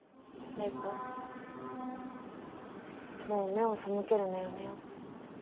もう目を背けるのやめよう。